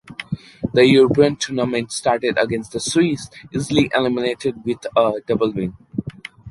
The European tournament started against the Swiss easily eliminated with a double win.